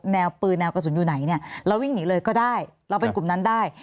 แนวปืนแนวกระสุนอยู่ไหนเนี่ยเราวิ่งหนีเลยก็ได้เราเป็นกลุ่มนั้นได้